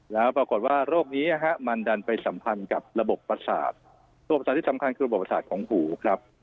แล้วปรากฏว่าโรคนี้มันดันไปสัมพันธ์กับระบบประสาทระบบประสาทที่สำคัญคือระบบประสาทของหูครับ